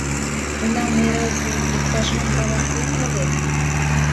Тунам мый разве иктаж-мом каласем ыле?